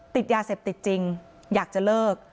ติดยาเสพติดจริงอยากจะเลิก